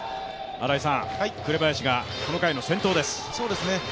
新井さん、紅林がこの回の先頭です